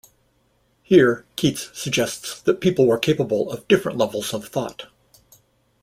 Here Keats suggests that people were capable of different levels of thought.